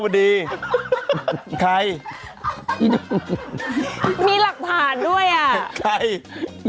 หัวไตเต้นเต้นไหม